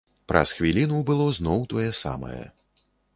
Праз хвіліну было зноў тое самае.